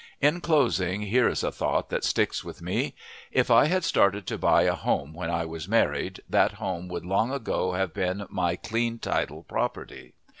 In closing, here is a thought that sticks with me: If I had started to buy a home when I was married, that home would long ago have been my clean title property.